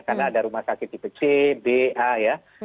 karena ada rumah sakit di pc ba ya